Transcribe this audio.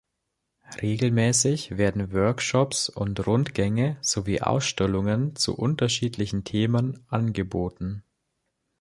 Regelmäßig werden Workshops und Rundgänge sowie Ausstellungen zu unterschiedlichen Themen angeboten.